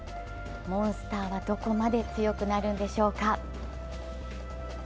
モンスターはどこまで強くなるんでしょうか？